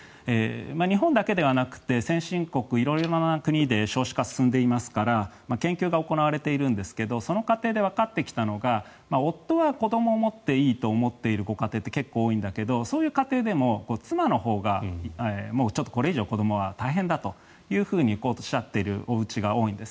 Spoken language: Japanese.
日本だけではなくて先進国、色々な国で少子化が進んでいますから研究が行われているんですがその過程でわかってきたのが夫は子どもを持っていいと思っているご家庭で結構多いんだけどそういう家庭でも妻のほうがちょっとこれ以上は子どもは大変だと行こうとしちゃっているおうちが多いんです。